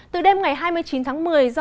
từ đêm ngày hai mươi chín tháng một mươi